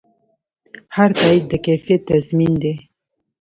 هر تایید د کیفیت تضمین دی.